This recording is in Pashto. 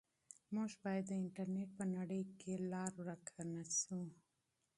موږ باید د انټرنیټ په نړۍ کې لار ورک نه سو.